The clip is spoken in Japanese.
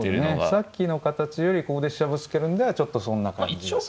さっきの形よりここで飛車ぶつけるんではちょっと損な感じがする。